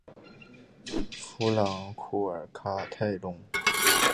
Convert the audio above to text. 弗朗库尔卡泰隆。